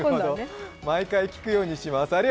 毎回聞くようにします。